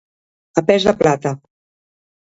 A pes de plata.